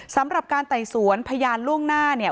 สำหรับการไต่สวนพยานล่วงหน้าเนี่ย